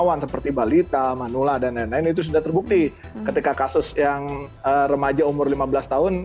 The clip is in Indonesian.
hewan seperti balita manula dan lain lain itu sudah terbukti ketika kasus yang remaja umur lima belas tahun